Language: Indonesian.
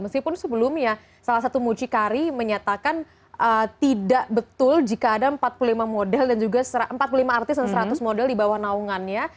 meskipun sebelumnya salah satu mucikari menyatakan tidak betul jika ada empat puluh lima model dan juga empat puluh lima artis dan seratus model di bawah naungannya